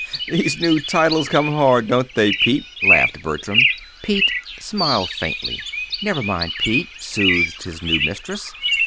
"These new titles come hard, don't they, Pete?" laughed Bertram. Pete smiled faintly. "Never mind, Pete," soothed his new mistress.